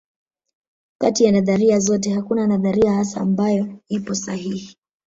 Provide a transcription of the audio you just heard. Kati ya nadharia zote hakuna nadharia hasa ambayo ipo sahihi